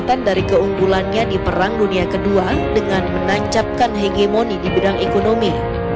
peningkatan dari keunggulannya di perang dunia ii dengan menancapkan hegemoni di bidang ekonomi